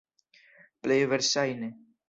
Plej verŝajne.